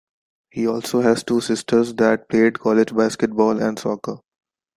He also has two sisters that played college basketball and soccer.